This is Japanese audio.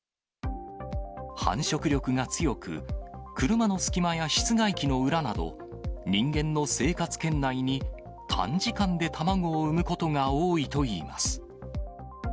繁殖力が強く、車の隙間や室外機の裏など、人間の生活圏内に短時間で卵を産むことが多いといいます。